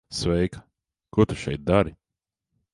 Sveika. Ko tu šeit dari?